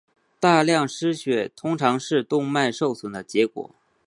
大量失血通常是动脉损伤的结果。